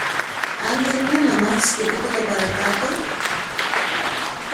αν δεν είναι να μάθεις και τίποτα παρακάτω;